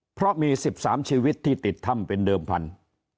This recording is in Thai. เพราะมี๑๓ชีวิตที่ติดถ้ำเป็นเดิมพันธุ์